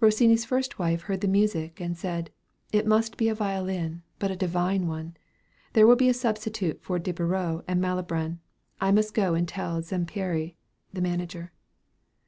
Rossini's first wife heard the music, and said, "It must be a violin, but a divine one. That will be a substitute for De Beriot and Malibran. I must go and tell Zampieri" (the manager).